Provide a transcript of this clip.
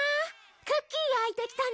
クッキー焼いてきたの。